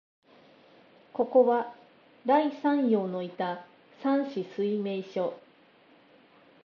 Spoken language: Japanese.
ここは、頼山陽のいた山紫水明処、